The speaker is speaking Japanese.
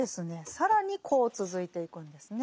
更にこう続いていくんですね。